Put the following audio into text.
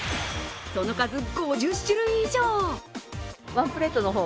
その数５０種類以上！